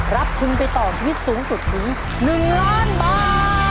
รับทุนไปต่อชีวิตสูงสุดถึง๑ล้านบาท